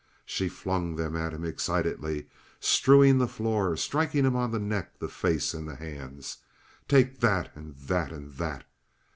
She flung them at him excitedly, strewing the floor, striking him on the neck, the face, the hands. "Take that! and that! and that!